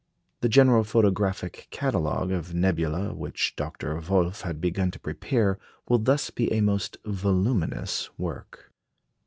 The general photographic Catalogue of Nebulæ which Dr. Wolf has begun to prepare will thus be a most voluminous work.